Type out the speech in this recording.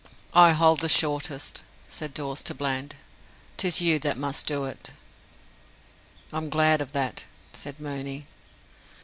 "I hold the shortest," said Dawes to Bland. "'Tis you that must do it." "I'm glad of that," said Mooney.